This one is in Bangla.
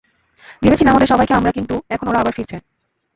ভেবেছিলাম ওদের সবাইকে আমরা কিন্তু এখন ওরা আবার ফিরছে।